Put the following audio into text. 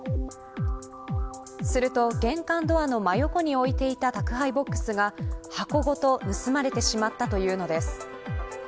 すると、玄関ドアの真横に置いていた宅配ボックスが箱ごと盗まれてしまったというのです。